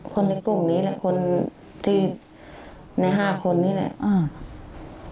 คนในกลุ่มนี้แหละคนที่ในห้าคนนี้แหละอ่า